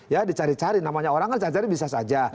ya dicari cari namanya orang kan cari cari bisa saja